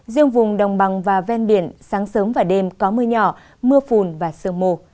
riêng vùng đồng bằng và ven biển sáng sớm và đêm có mưa nhỏ mưa phùn và sương mù